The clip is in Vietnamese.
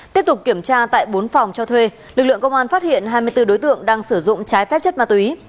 tiếp tục kiểm tra tại bốn phòng cho thuê lực lượng công an phát hiện hai mươi bốn đối tượng đang sử dụng trái phép chất ma túy